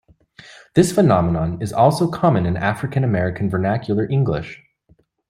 This phenomenon is also common in African American Vernacular English.